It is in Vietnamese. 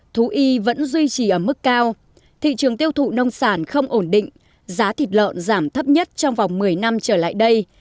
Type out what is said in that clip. thú y vẫn duy trì ở mức cao thị trường tiêu thụ nông sản không ổn định giá thịt lợn giảm thấp nhất trong vòng một mươi năm trở lại đây